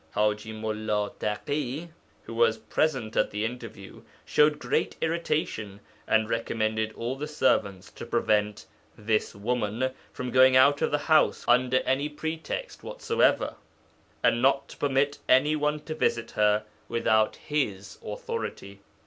Haji Mullā Taḳi, who was present at the interview, showed great irritation, and recommended all the servants to prevent "this woman" from going out of the house under any pretext whatsoever, and not to permit any one to visit her without his authority.